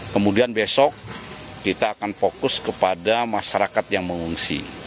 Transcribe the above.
kemudian besok kita akan fokus kepada masyarakat yang mengungsi